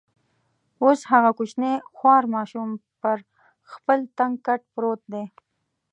اوس هغه کوچنی خوار ماشوم پر خپل تنګ کټ پروت دی.